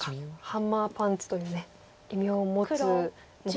ハンマーパンチという異名を持つもう